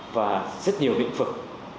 và rất nhiều biện phực